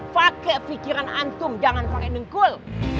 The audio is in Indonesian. pakai pikiran antum jangan pakai dengkul